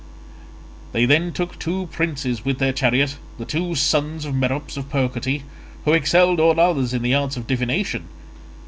They then took two princes with their chariot, the two sons of Merops of Percote, who excelled all others in the arts of divination.